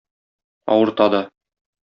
Авырта да.